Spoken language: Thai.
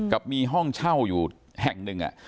กับมีห้องเช่าอยู่แห่งหนึ่ง